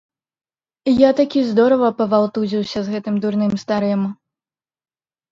Я такі здорава павалтузіўся з гэтым дурным старым.